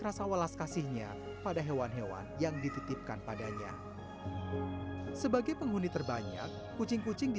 rasa walas kasihnya pada hewan hewan yang dititipkan padanya sebagai penghuni terbanyak kucing kucing di